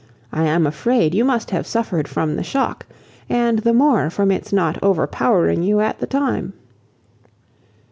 I am afraid you must have suffered from the shock, and the more from its not overpowering you at the time."